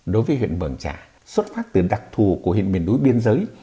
đối với huyện mường trà xuất phát từ đặc thù của huyện miền núi biên giới